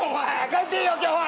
帰っていいよ今日は！